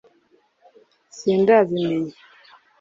sindabimenya